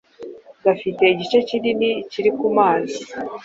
gafite igice kinini kiri ku mazi